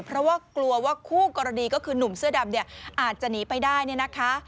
เพราะว่ากลัวว่าคู่กรณีก็คือหนุ่มเสื้อดำเนี่ยอาจจะหนีไปได้เนี่ยนะคะ